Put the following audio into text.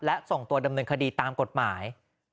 และส่งตัวดำเนินคดีตามกฎหมาย